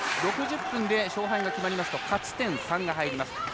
６０分で勝敗が決まりますと勝ち点３が入ります。